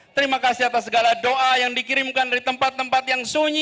terima kasih atas segala doa yang dikirimkan dari tempat tempat yang sunyi